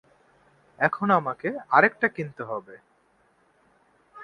এখন আমাকে আরেকটা কিনতে হবে।